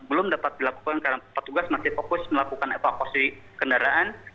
belum dapat dilakukan karena petugas masih fokus melakukan evakuasi kendaraan